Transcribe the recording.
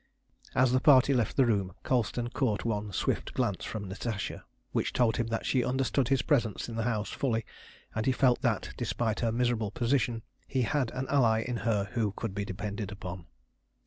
As the party left the room Colston caught one swift glance from Natasha which told him that she understood his presence in the house fully, and he felt that, despite her miserable position, he had an ally in her who could be depended upon.